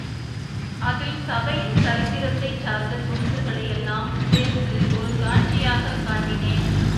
அதில் சபையின் சரித்திரத்தைச் சார்ந்த துணுக்குகளை யெல்லாம் சேர்த்து ஒரு காட்சியாகக் காட்டினேன்.